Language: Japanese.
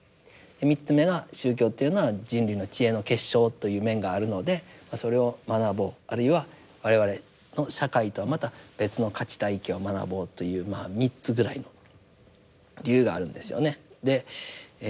３つ目が宗教っていうのは人類の知恵の結晶という面があるのでそれを学ぼうあるいは我々の社会とはまた別の価値体系を学ぼうというまあ３つぐらいの理由があるんですよね。